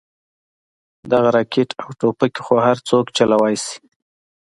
دغه راكټ او ټوپكې خو هرسوك چلوې شي.